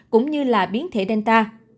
cũng như là biến thể delta